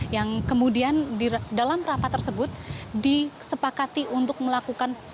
yang kemudian dalam rapat tersebut disepakati untuk melakukan perubahan